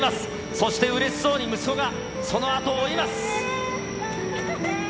そしてうれしそうに息子がその後を追います。